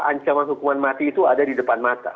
ancaman hukuman mati itu ada di depan mata